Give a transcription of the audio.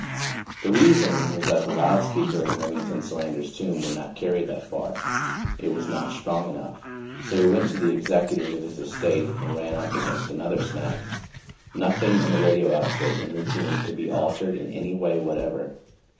The reason was that the loud speaker in Remington Solander's tomb would not carry that far; it was not strong enough. So we went to the executors of his estate and ran up against another snag nothing in the radio outfit in the tomb could be altered in any way whatever.